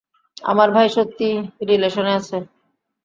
আমার ভাই সত্যিই রিলেশনে আছে!